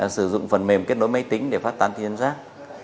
sử dụng phần mềm kết nối máy tính để phát tán tin rác